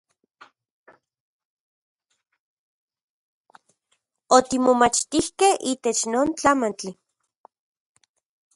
Otimomachtikej itech non tlamantli.